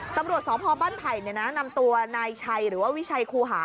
ตำรวจสพบ้านไผ่นนำตัวนายชัยหรือว่าวิชัยครูหา